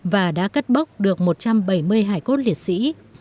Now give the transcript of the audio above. và đã cắt bóc được một trăm bảy mươi hải cốt liệt sĩ